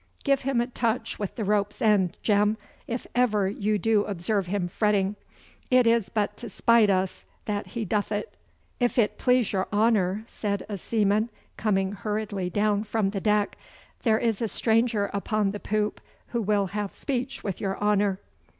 Give him a touch with the rope's end, Jem, if ever you do observe him fretting. It is but to spite us that he doth it.' 'If it please your honour,' said a seaman, coming hurriedly down from the deck, 'there is a stranger upon the poop who will have speech with your honour.